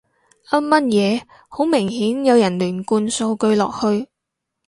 噏乜嘢，好明顯有人亂灌數據落去